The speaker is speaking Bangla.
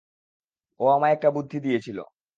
ও আমায় একটা বুদ্ধি দিয়েছিল।